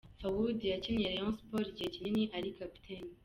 Fuadi yakiniye Rayon Sports igihe kinini ari kapiteni.